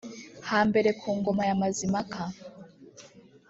Hambere ku ngoma ya Mazimpaka